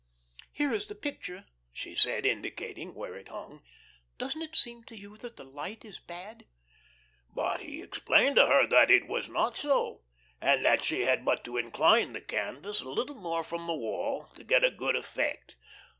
"Here is the picture," she said, indicating where it hung. "Doesn't it seem to you that the light is bad?" But he explained to her that it was not so, and that she had but to incline the canvas a little more from the wall to get a good effect.